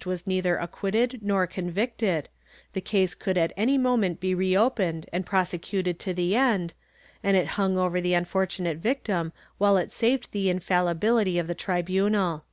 I] SUSPENSION 109 neither acquitted nor convicted, the case could at any moment be reopened and prosecuted to the end, and it hung over the unfor tunate victim while it saved the infaUibility of the tribunal.